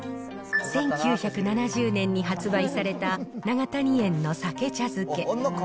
１９７０年に発売された永谷園のさけ茶づけ。